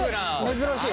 珍しい。